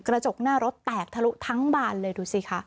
กระจกหน้ารถแตกทะลุทั้งบานเลยดูสิค่ะ